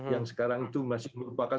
yang sekarang itu masih merupakan